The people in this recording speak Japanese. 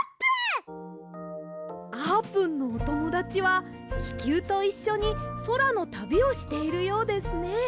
あーぷんのおともだちはききゅうといっしょにそらのたびをしているようですね！